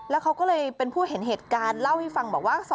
แล้วเขาก็เลยเป็นผู้เห็นเหตุการณ์เล่าให้ฟังบอกว่า